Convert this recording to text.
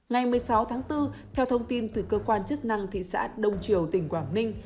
ngày một mươi sáu tháng bốn theo thông tin từ cơ quan chức năng thị xã đông triều tỉnh quảng ninh